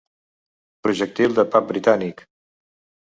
Projectil de pub britànic.